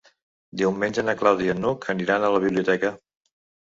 Diumenge na Clàudia i n'Hug aniran a la biblioteca.